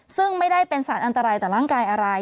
ซึ่งไม่ได้เป็นสารอันตรายต่อร่างกายอะไร